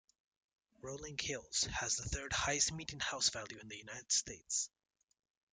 Rolling Hills has the third highest median house value in the United States.